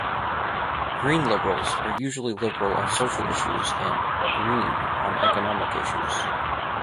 Green liberals are usually liberal on social issues and "green" on economic issues.